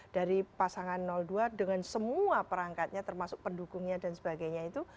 dari pasangan dua dengan semua perangkatnya termasuk pendukungnya dan sebagainya itu